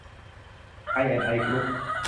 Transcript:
ไอแอนด์ไอ กรุ๊ป